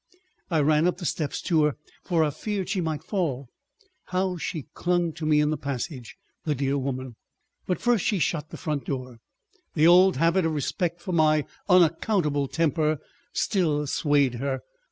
I ran up the steps to her, for I feared she might fall. How she clung to me in the passage, the dear woman! ... But first she shut the front door. The old habit of respect for my unaccountable temper still swayed her.